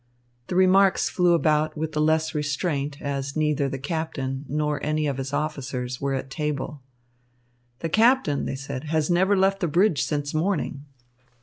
The remarks flew about with the less restraint as neither the captain nor any of his officers were at table. "The captain," they said, "has never left the bridge since morning."